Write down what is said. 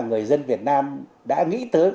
người dân việt nam đã nghĩ tới